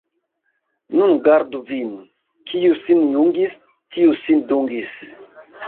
Nun gardu vin: kiu sin jungis, tiu sin dungis.